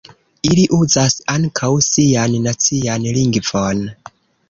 Ili uzas ankaŭ sian nacian lingvon.